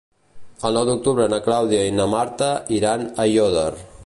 El nou d'octubre na Clàudia i na Marta iran a Aiòder.